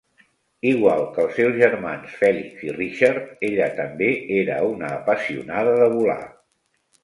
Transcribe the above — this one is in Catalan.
Igual que els seus germans, Felix i Richard, ella també era una apassionada de volar.